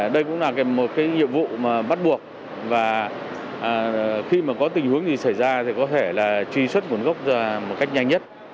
đây cũng là một nhiệm vụ bắt buộc và khi có tình huống gì xảy ra thì có thể truy xuất cuốn gốc ra một cách nhanh nhất